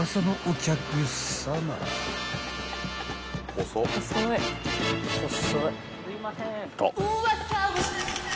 すいません。